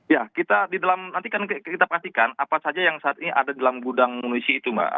ya nanti kita perhatikan apa saja yang saat ini ada di dalam gudang munisi itu mbak